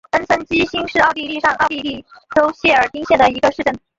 恩岑基兴是奥地利上奥地利州谢尔丁县的一个市镇。